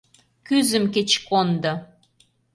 Кӱзым кеч кондо!